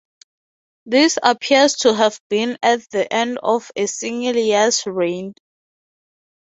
This appears to have been at the end of a single year's reign.